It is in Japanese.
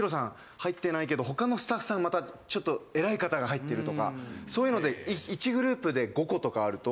入ってないけど他のスタッフさんがまたちょっと偉い方が入ってるとかそういうので１グループで５個とかあると。